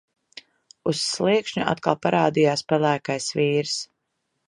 Uz sliekšņa atkal parādījās pelēkais vīrs.